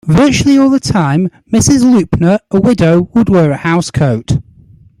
Virtually all the time Mrs. Loopner, a widow, would wear a housecoat.